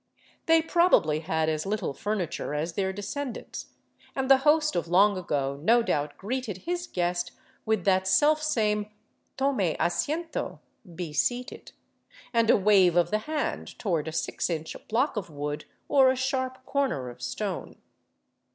They probably had as little furniture as their descendants, 471 VAGABONDING DOWN THE ANDES and the host of long ago no doubt greeted his guest with that self same "Tome asiento " (Be seated) and a wave of the hand toward a six inch block of wood or a sharp corner of stone.